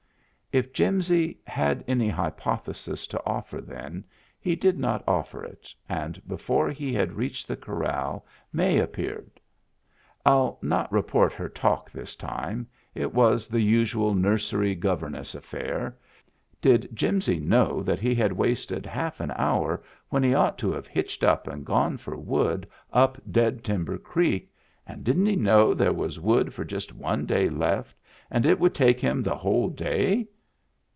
If Jimsy had any hypothesis to offer then, he did not offer it, and before he had reached the corral May appeared. I'll not report her talk this time, it was the usual nursery governess affair: did Jimsy know that he had wasted half an hour when he ought to have hitched up and gone for wood up Dead Timber Creek, and didn't he know there was wood for just one day left and it would take him the whole day?